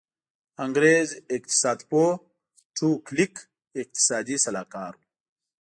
انګرېز اقتصاد پوه ټو کلیک اقتصادي سلاکار و.